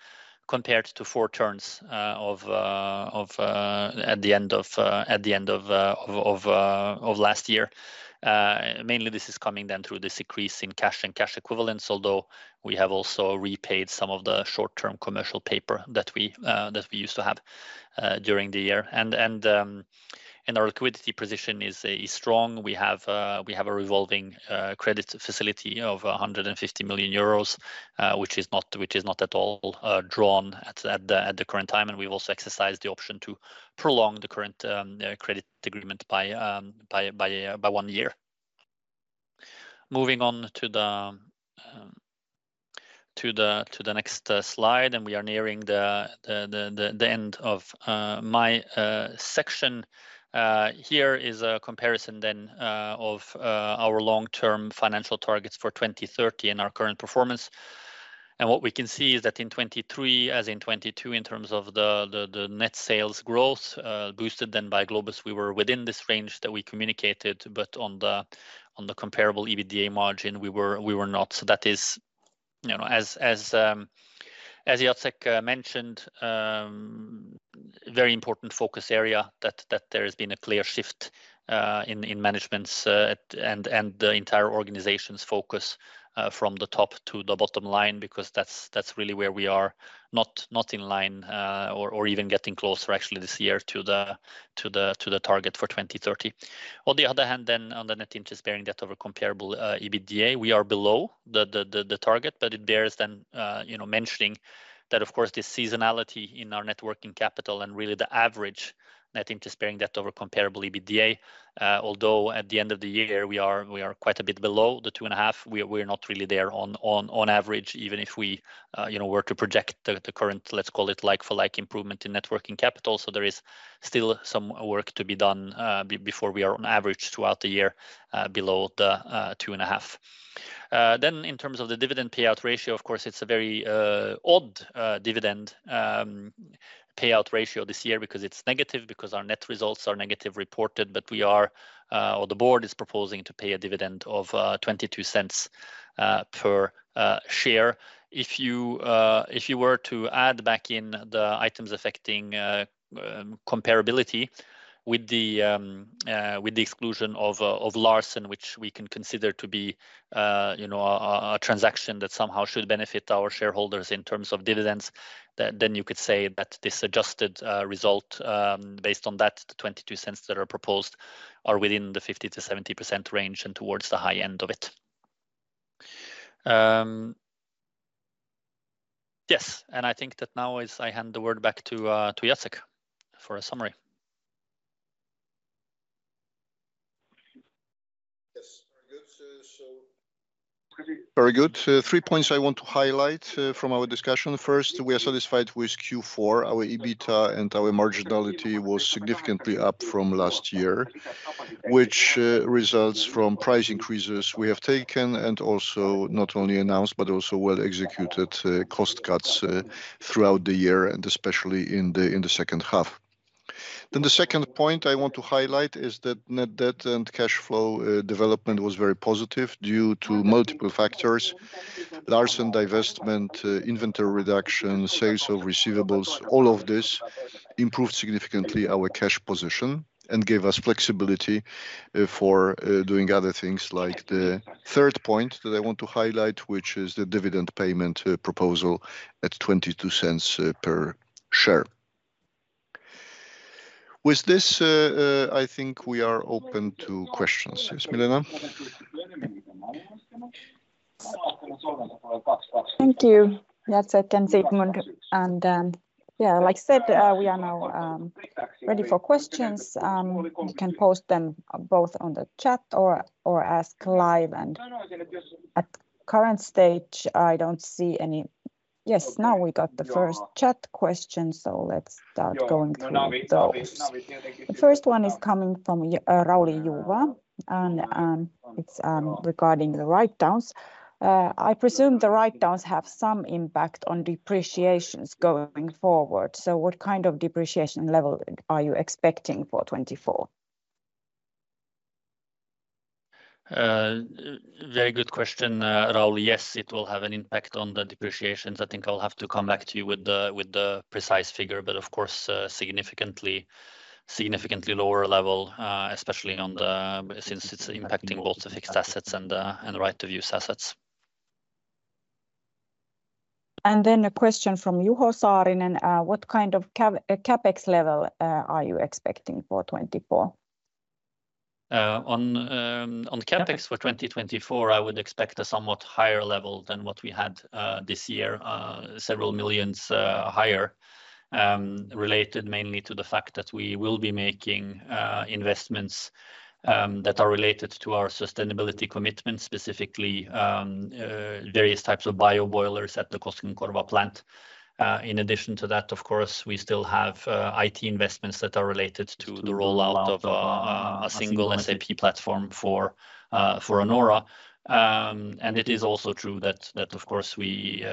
compared to four turns of at the end of last year. Mainly this is coming then through this decrease in cash and cash equivalents, although we have also repaid some of the short-term commercial paper that we used to have during the year. Our liquidity position is strong. We have a revolving credit facility of 150 million euros, which is not at all drawn at the current time. And we've also exercised the option to prolong the current credit agreement by one year. Moving on to the next slide, and we are nearing the end of my section. Here is a comparison then of our long-term financial targets for 2030 and our current performance. And what we can see is that in 2023, as in 2022, in terms of the net sales growth, boosted then by Globus, we were within this range that we communicated, but on the comparable EBITDA margin, we were not. So that is, you know, as Jacek mentioned, very important focus area that there has been a clear shift in management's and the entire organization's focus from the top to the bottom line, because that's really where we are not in line or even getting closer actually this year to the target for 2030. On the other hand, then on the net interest-bearing debt over comparable EBITDA, we are below the target, but it bears then, you know, mentioning that, of course, the seasonality in our net working capital and really the average net interest-bearing debt over comparable EBITDA, although at the end of the year, we are quite a bit below the 2.5x, we are, we're not really there on average, even if we, you know, were to project the current, let's call it, like-for-like improvement in net working capital. So there is still some work to be done, before we are on average throughout the year, below the 2.5x. Then in terms of the dividend payout ratio, of course, it's a very odd dividend. Payout ratio this year because it's negative, because our net results are negative reported, but we are, or the board is proposing to pay a dividend of 0.22 per share. If you were to add back in the items affecting comparability with the exclusion of Larsen, which we can consider to be, you know, a transaction that somehow should benefit our shareholders in terms of dividends, then you could say that this adjusted result based on that, the 0.22 that are proposed are within the 50%-70% range and towards the high end of it. Yes, and I think that now is I hand the word back to Jacek for a summary. Yes. Very good, so, very good. Three points I want to highlight from our discussion. First, we are satisfied with Q4. Our EBITDA and our marginality was significantly up from last year, which results from price increases we have taken, and also not only announced, but also well-executed cost cuts throughout the year, and especially in the second half. Then the second point I want to highlight is that net debt and cash flow development was very positive due to multiple factors: Larsen divestment, inventory reduction, sales of receivables. All of this improved significantly our cash position and gave us flexibility for doing other things, like the third point that I want to highlight, which is the dividend payment proposal at 0.22 per share. With this, I think we are open to questions. Yes, Milena? Thank you, Jacek and Sigmund. Yeah, like I said, we are now ready for questions. You can post them both on the chat or ask live. At current stage, I don't see any.. Yes, now we got the first chat question, so let's start going through those. The first one is coming from Rauli Juva, and it's regarding the write-downs. "I presume the write-downs have some impact on depreciations going forward. So what kind of depreciation level are you expecting for 2024? Very good question, Rauli. Yes, it will have an impact on the depreciations. I think I'll have to come back to you with the precise figure, but of course, significantly, significantly lower level, especially on the, since it's impacting both the fixed assets and right-of-use assets. Then a question from Juho Saarinen: "What kind of CapEx level are you expecting for 2024? On CapEx for 2024, I would expect a somewhat higher level than what we had this year. Several million higher, related mainly to the fact that we will be making investments that are related to our sustainability commitment, specifically various types of bio boilers at the Koskenkorva plant. In addition to that, of course, we still have IT investments that are related to the rollout of a single SAP platform for Anora. And it is also true that, of course, we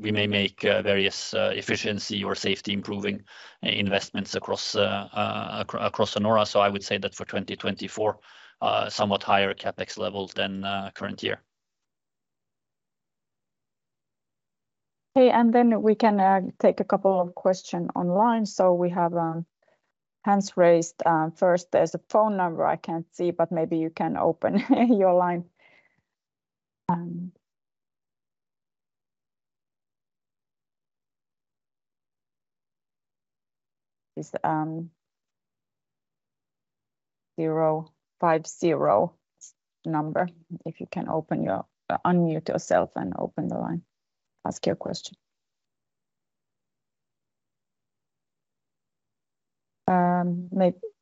may make various efficiency or safety-improving investments across Anora. So I would say that for 2024, somewhat higher CapEx level than current year. Okay, and then we can take a couple of question online. So we have hands raised. First, there's a phone number I can't see, but maybe you can open your line. And it's 050 number. If you can unmute yourself and open the line. Ask your question.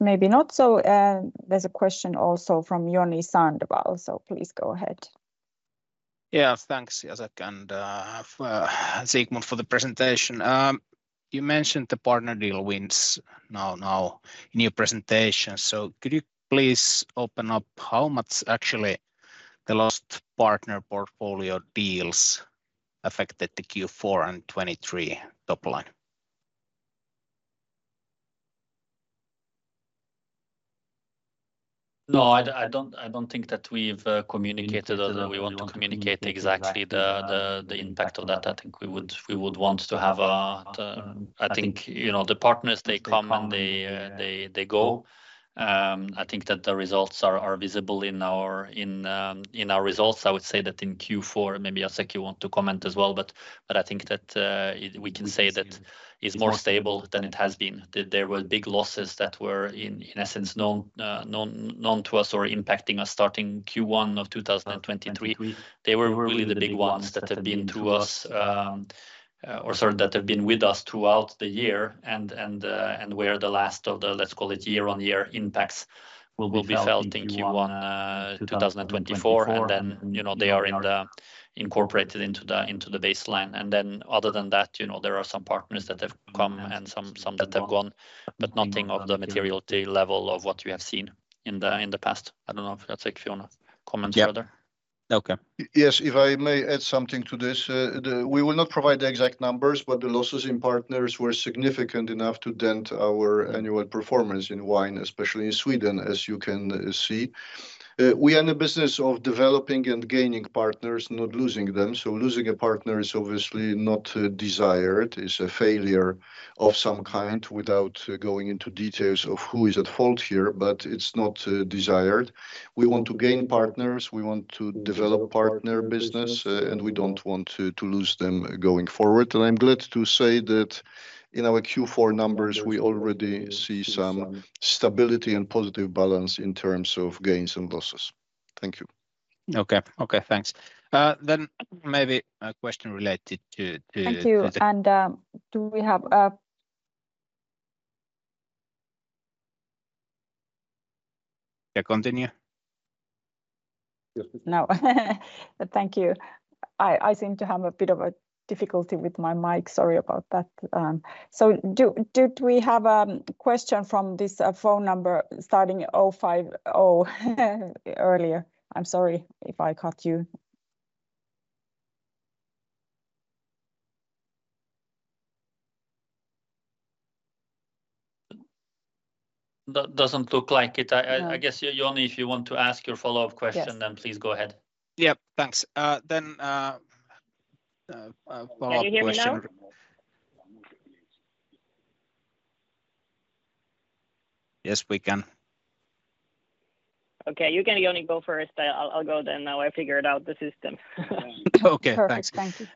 Maybe not. So there's a question also from Joni Sandvall, so please go ahead. Yeah. Thanks, Jacek, and Sigmund, for the presentation. You mentioned the partner deal wins now in your presentation. Could you please open up how much actually the last partner portfolio deals affected the Q4 2023 top line? No, I don't, I don't think that we've communicated or that we want to communicate exactly the impact of that. I think we would want to have the. I think, you know, the partners, they come, and they, they go. I think that the results are visible in our results. I would say that in Q4, maybe, Jacek, you want to comment as well, but I think that we can say that it's more stable than it has been. There were big losses that were, in essence, known to us or impacting us starting Q1 of 2023. They were really the big ones that have been with us throughout the year and were the last of the, let's call it, year-on-year impacts will be felt in Q1 2024. And then, you know, they are incorporated into the baseline. And then other than that, you know, there are some partners that have come and some that have gone, but nothing of the materiality level of what we have seen in the past. I don't know if, Jacek, you wanna comment further? Okay. Yes, if I may add something to this, then we will not provide the exact numbers, but the losses in partners were significant enough to dent our annual performance in Wine, especially in Sweden, as you can see. We are in the business of developing and gaining partners, not losing them. So losing a partner is obviously not desired. It's a failure of some kind, without going into details of who is at fault here, but it's not desired. We want to gain partners, we want to develop partner business, and we don't want to lose them going forward. And I'm glad to say that in our Q4 numbers, we already see some stability and positive balance in terms of gains and losses. Thank you. Okay. Okay, thanks. Then maybe a question related to, to. Thank you. And, do we have. Yeah, continue. Yes, please. No. Thank you. I seem to have a bit of a difficulty with my mic. Sorry about that. So did we have a question from this phone number starting 050 earlier? I'm sorry if I cut you. That doesn't look like it. No. I guess, Joni, if you want to ask your follow-up question? Yes Then please go ahead. Yep, thanks. Then, a follow-up question. Can you hear me now? Yes, we can. Okay, you can, Joni, go first. I'll go then. Now I figured out the system. Okay, thanks. Perfect. Thank you.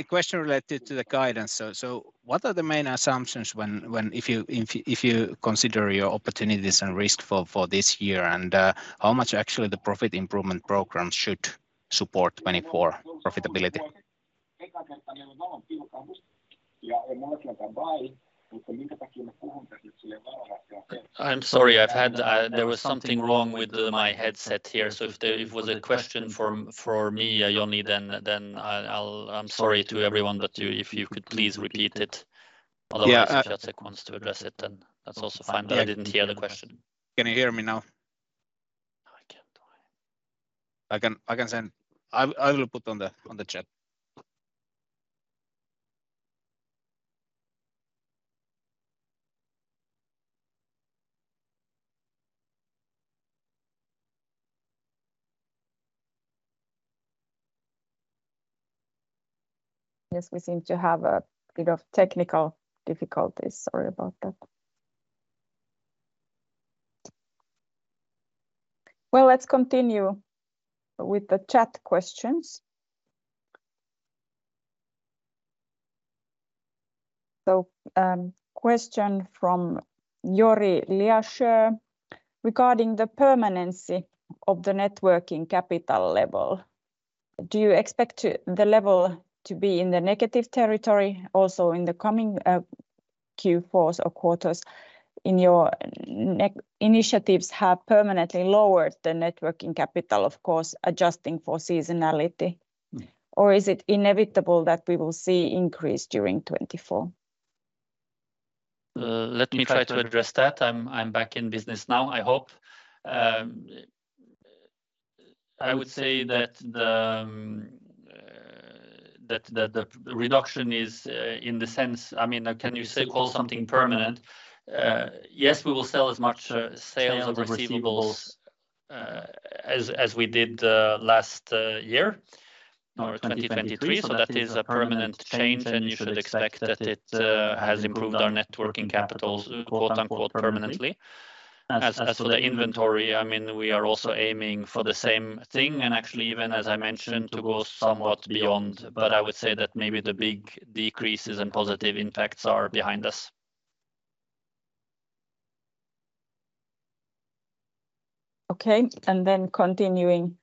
A question related to the guidance. So, what are the main assumptions when you consider your opportunities and risk for this year, and how much actually the profit improvement program should support 2024 profitability? I'm sorry. I've had. There was something wrong with my headset here. So if there was a question from Joni for me, then I'll. I'm sorry to everyone, but if you could please repeat it. Yeah, uh. If Jacek wants to address it, then that's also fine. I didn't hear the question. Can you hear me now? No, I can't. I can send. I'll put on the chat. Yes, we seem to have a bit of technical difficulties. Sorry about that. Well, let's continue with the chat questions. So, question from Yuri Liasho: regarding the permanency of the net working capital level, do you expect the level to be in the negative territory also in the coming Q4s or quarters, or your new initiatives have permanently lowered the net working capital, of course, adjusting for seasonality? Or is it inevitable that we will see increase during 2024? Let me try to address that. I'm back in business now, I hope. I would say that the reduction is in the sense. I mean, can you say, call something permanent? Yes, we will sell as much sales of receivables as we did last year, or 2023. So that is a permanent change, and you should expect that it has improved our net working capital, "permanently." As for the inventory, I mean, we are also aiming for the same thing, and actually even, as I mentioned, to go somewhat beyond. But I would say that maybe the big decreases and positive impacts are behind us. Okay. Then continuing,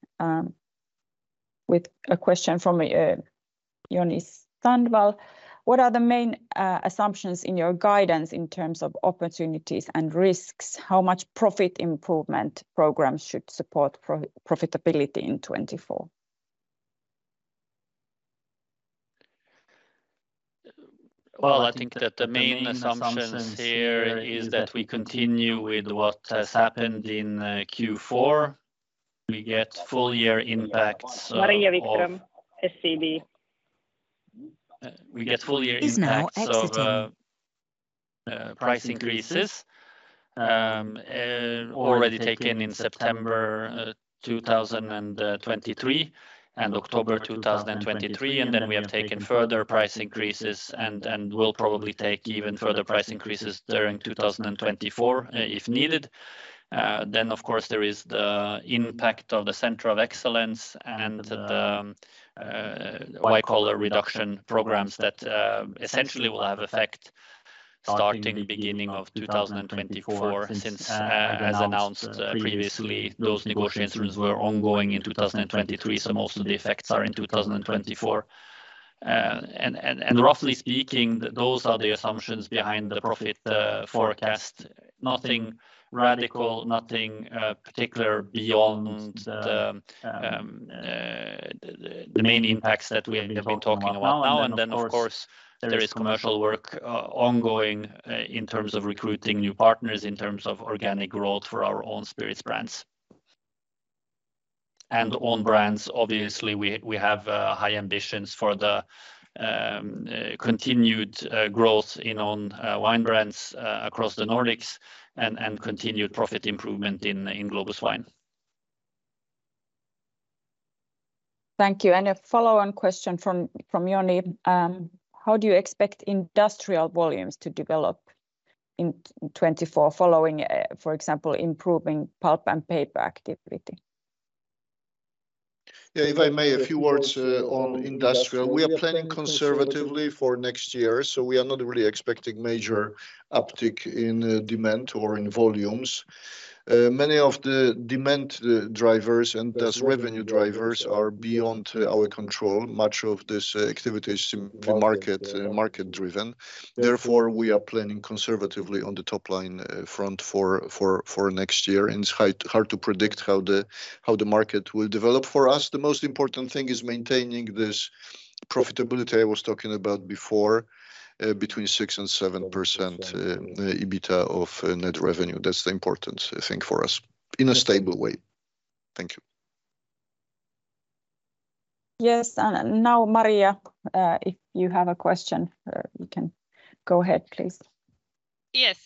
with a question from Joni Sandvall: What are the main assumptions in your guidance in terms of opportunities and risks? How much profit improvement programs should support profitability in 2024? Well, I think that the main assumptions here is that we continue with what has happened in Q4. We get full year impacts of. Maria Wikström, SEB. We get full year impacts of price increases already taken in September 2023 and October 2023. And then we have taken further price increases and will probably take even further price increases during 2024, if needed. Then, of course, there is the impact of the Centre of Excellence and the white collar reduction programs that essentially will have effect starting beginning of 2024. Since, as announced previously, those negotiations were ongoing in 2023, so most of the effects are in 2024. And roughly speaking, those are the assumptions behind the profit forecast. Nothing radical, nothing particular beyond the main impacts that we have been talking about now. And then, of course, there is commercial work ongoing in terms of recruiting new partners, in terms of organic growth for our own spirits brands and own brands. Obviously, we have high ambitions for the continued growth in wine brands across the Nordics and continued profit improvement in Globus Wine. Thank you. And a follow-on question from Joni. How do you expect Industrial volumes to develop in 2024, following, for example, improving pulp and paper activity? Yeah, if I may, a few words on Industrial. We are planning conservatively for next year, so we are not really expecting major uptick in demand or in volumes. Many of the demand drivers and thus revenue drivers are beyond our control. Much of this activity is market-driven. Therefore, we are planning conservatively on the top-line front for next year, and it's hard to predict how the market will develop. For us, the most important thing is maintaining this profitability I was talking about before, between 6% and 7% EBITDA of net revenue. That's the important thing for us in a stable way. Thank you. Yes, and now, Maria, if you have a question, you can go ahead, please. Yes.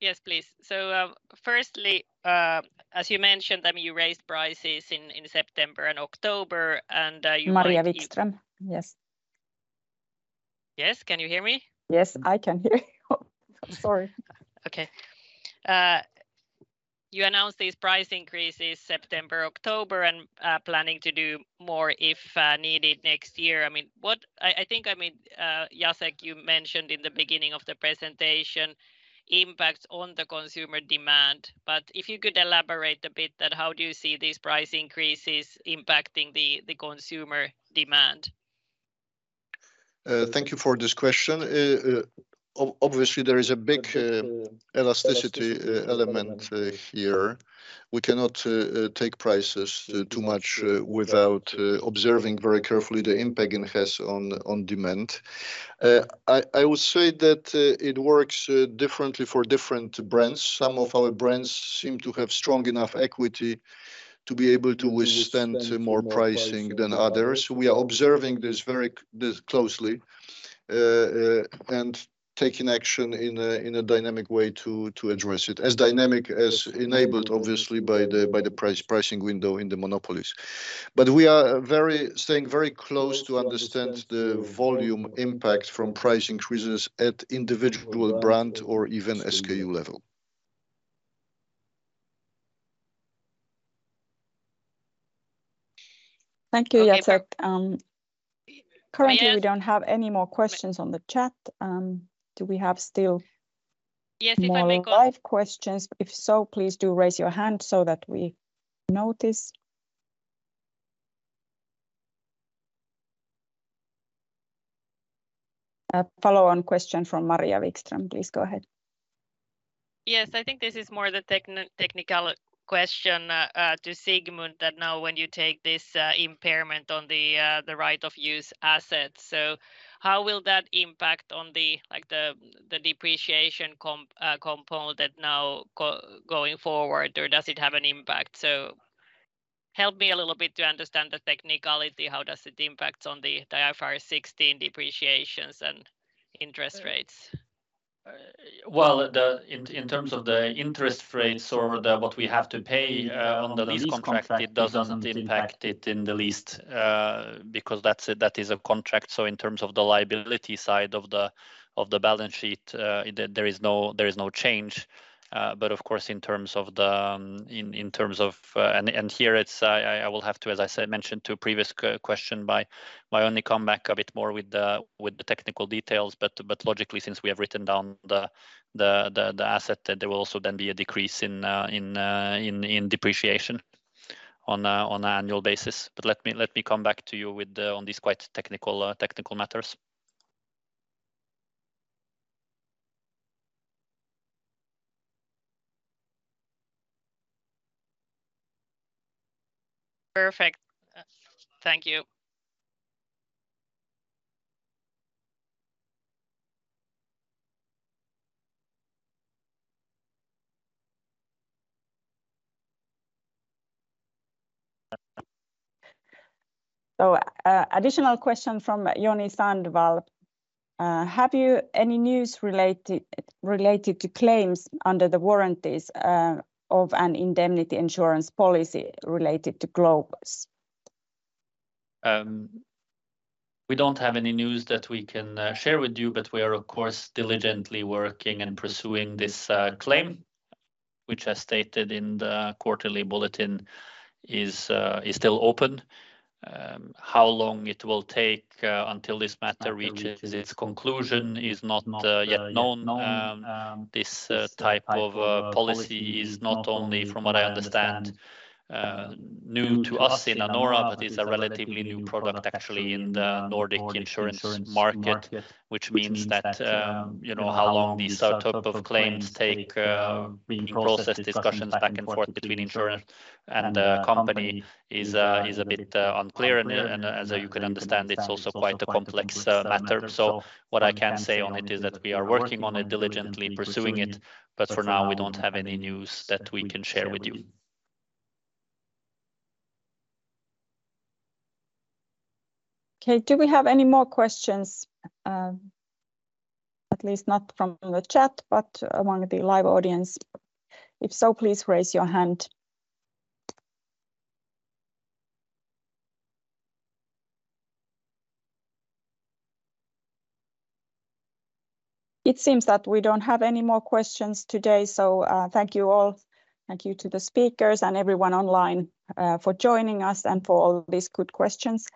Yes, please. So, firstly, as you mentioned, I mean, you raised prices in September and October, and you. Maria Wikström, yes. Yes, can you hear me? Yes, I can hear you. I'm sorry. Okay. You announced these price increases September, October, and planning to do more, if needed next year. I mean, what. I think, I mean, Jacek, you mentioned in the beginning of the presentation, impacts on the consumer demand, but if you could elaborate a bit that how do you see these price increases impacting the, the consumer demand? Thank you for this question. Obviously, there is a big elasticity element here. We cannot take prices too much without observing very carefully the impact it has on demand. I would say that it works differently for different brands. Some of our brands seem to have strong enough equity to be able to withstand more pricing than others. We are observing this very closely and taking action in a dynamic way to address it, as dynamic as enabled, obviously, by the pricing window in the monopolies. But we are staying very close to understand the volume impact from price increases at individual brand or even SKU level. Thank you, Jacek. Maria. Currently, we don't have any more questions on the chat. Do we have still. Yes, if I may go. More live questions? If so, please do raise your hand so that we notice. A follow-on question from Maria Wikström. Please go ahead. Yes. I think this is more of a technical question to Sigmund, that now when you take this impairment on the right-of-use assets, so how will that impact on the, like, the depreciation component that now going forward, or does it have an impact? So help me a little bit to understand the technicality. How does it impact on the IFRS 16 depreciations and interest rates? Well, in terms of the interest rates or what we have to pay under this contract, it doesn't impact it in the least, because that's a contract. So in terms of the liability side of the balance sheet, there is no change. But of course, in terms of, in terms of. And here it's, I will have to, as I said, mention to a previous question by, I only come back a bit more with the technical details. But logically, since we have written down the asset, that there will also then be a decrease in depreciation on an annual basis. Let me come back to you on these quite technical matters. Perfect. Thank you. So, additional question from Joni Sandvall: Have you any news related, related to claims under the warranties, of an indemnity insurance policy related to Globus? We don't have any news that we can share with you, but we are, of course, diligently working and pursuing this claim, which as stated in the quarterly bulletin, is still open. How long it will take until this matter reaches its conclusion is not yet known. This type of policy is not only, from what I understand, new to us in Anora, but is a relatively new product actually in the Nordic insurance market. Which means that, you know, how long these type of claims take being processed, discussions back and forth between insurer and the company is a bit unclear. And as you can understand, it's also quite a complex matter. What I can say on it is that we are working on it, diligently pursuing it, but for now, we don't have any news that we can share with you. Okay. Do we have any more questions? At least not from the chat, but among the live audience. If so, please raise your hand. It seems that we don't have any more questions today, so thank you all. Thank you to the speakers and everyone online for joining us and for all these good questions.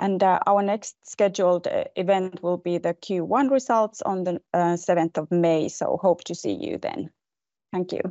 And our next scheduled event will be the Q1 results on the 7th of May. So hope to see you then. Thank you.